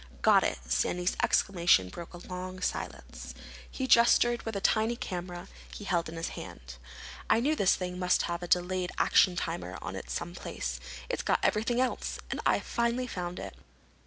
"Got it!" Sandy's exclamation broke a long silence. He gestured with the tiny camera he held in his hand. "I knew this thing must have a delayed action timer on it some place—it's got everything else. And I finally found it."